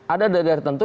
ada daerah tertentu